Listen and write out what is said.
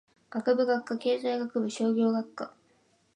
学部・学科経済学部商業学科